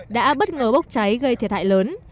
đã bất ngờ bốc cháy gây thiệt hại lớn